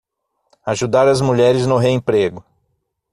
Ajudar as mulheres no re-emprego